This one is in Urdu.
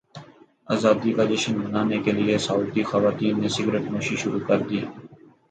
ازادی کا جشن منانے کے لیے سعودی خواتین نے سگریٹ نوشی شروع کردی